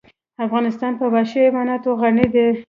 افغانستان په وحشي حیوانات غني دی.